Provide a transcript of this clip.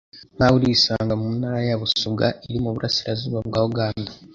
nk'aho urisanga mu ntara ya Busoga iri mu burasirazuba bwa Uganda,